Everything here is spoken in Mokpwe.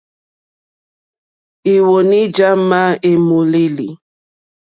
Íwɔ̌ní já má èmòlêlì.